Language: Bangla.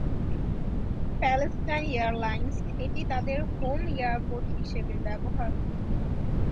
প্যালেস্টাইন এয়ারলাইন্স এটি তাদের হোম এয়ারপোর্ট হিসাবে ব্যবহার করত।